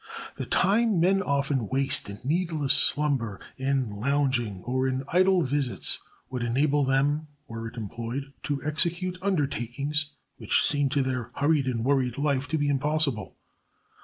The time men often waste in needless slumber, in lounging, or in idle visits, would enable them, were it employed, to execute undertakings which seem to their hurried and worried life to be impossible.